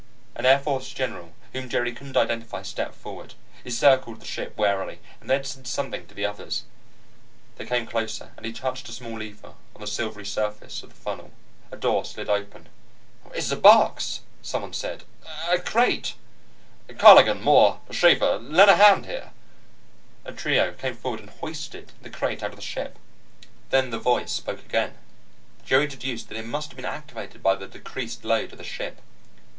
An Air Force General whom Jerry couldn't identify stepped forward. He circled the ship warily, and then said something to the others. They came closer, and he touched a small lever on the silvery surface of the funnel. A door slid open. "It's a box!" someone said. "A crate " "Colligan! Moore! Schaffer! Lend a hand here " A trio came forward and hoisted the crate out of the ship. Then the voice spoke again; Jerry deduced that it must have been activated by the decreased load of the ship.